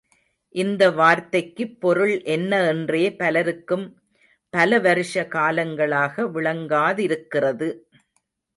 இந்த வார்த்தைக்குப் பொருள் என்ன என்றே பலருக்கும் பல வருஷ காலங்களாக விளங்காதிருக்கிறது.